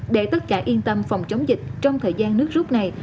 để tất cả yên tâm phòng chống dịch trong thời gian nước rút này